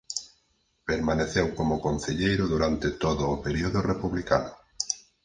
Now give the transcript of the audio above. Permaneceu como concelleiro durante todo o período republicano.